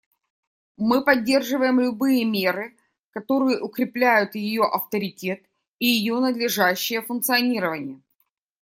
Мы поддерживаем любые меры, которые укрепляют ее авторитет и ее надлежащее функционирование.